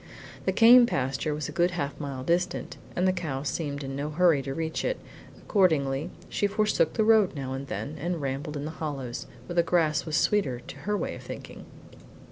The Came pasture was a good half mile distant, and the cow seemed in no hurry to reach it; accordingly she forsook the road now and then, and rambled in the hollows, where the grass was sweeter to her way of thinking.